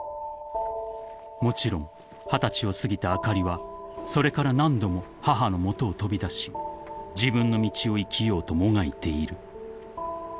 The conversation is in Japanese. ［もちろん二十歳を過ぎたあかりはそれから何度も母の元を飛び出し自分の道を生きようともがいている］